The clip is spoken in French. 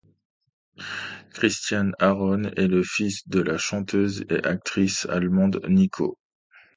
Christian Aaron est le fils de la chanteuse et actrice allemande Nico.